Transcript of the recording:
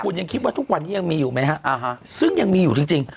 คุณยังคิดว่าทุกวันนี้ยังมีอยู่ไหมฮะอ่าฮะซึ่งยังมีอยู่จริง